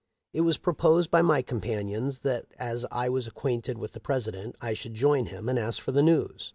It was pro . posed by my companions that as I was acquainted with the President I should join him and ask for the news.